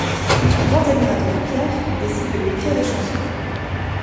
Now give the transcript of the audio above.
Grand admirateur de Piaf, il décide de lui écrire des chansons.